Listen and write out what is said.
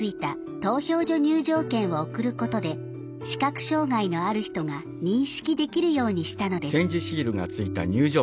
入場券を送ることで視覚障害のある人が認識できるようにしたのです。